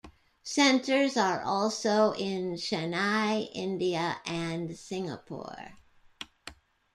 Centres are also in Chennai, India and Singapore.